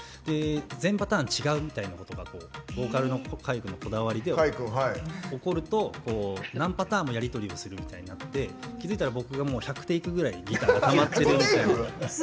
全パターン違うみたいなことがボーカルの海君のこだわりで起こると何パターンもやり取りをするみたいになって気付いたら僕がもう１００テイクぐらいギターがたまってるみたいな。